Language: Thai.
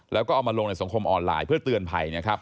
แล้วก็เอามาลงในสังคมออนไลน์เพื่อเตือนภัยนะครับ